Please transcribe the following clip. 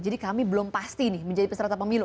jadi kami belum pasti nih menjadi peserta pemilu